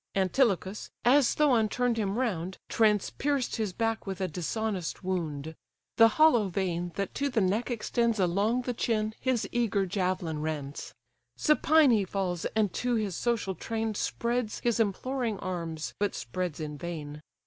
Antilochus, as Thoon turn'd him round, Transpierced his back with a dishonest wound: The hollow vein, that to the neck extends Along the chine, his eager javelin rends: Supine he falls, and to his social train Spreads his imploring arms, but spreads in vain.